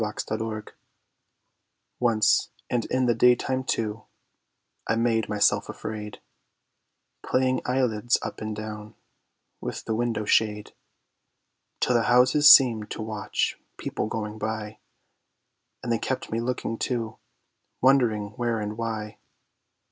Windows Once, and in the daytime too, I made myself afraid, Playing Eyelids Up and Down, with the window shade; Till the Houses seemed to watch People going by; And they kept me looking, too, wondering where and why.